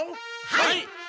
はい！